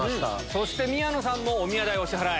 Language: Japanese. そして宮野さんもおみや代お支払い。